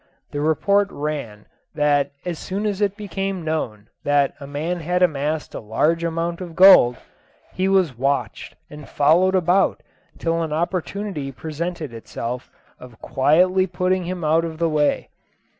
The report ran, that as soon as it became known that a man had amassed a large amount of gold, he was watched and followed about till an opportunity presented itself of quietly putting him out of the way.